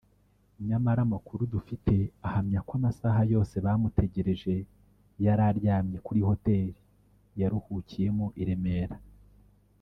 nyamara amakuru dufite ahamya ko amasaha yose bamutegereje yari aryamye kuri Hotel yaruhukiyemo i Remera